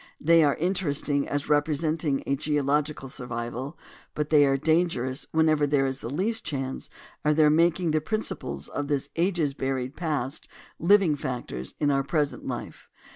They are in teresting as representing a geological survival, but they are dangerous whenever there is the least chance of their making the principles of this ages buried past living factors in our present life.